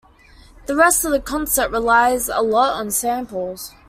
The rest of the concert relies a lot on samples.